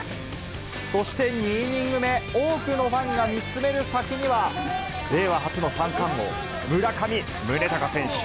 そして２イニング目、多くのファンが見つめる先には、令和初の三冠王、村上宗隆選手。